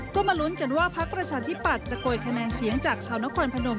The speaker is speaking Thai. ก็มาลุ้นกันว่าพักประชาธิปัตย์จะโกยคะแนนเสียงจากชาวนครพนม